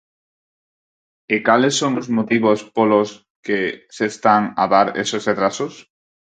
¿E cales son os motivos polos que se están a dar eses retrasos?